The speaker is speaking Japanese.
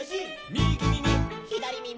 「みぎみみ」「ひだりみみ」